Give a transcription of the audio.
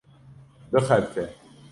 bixebite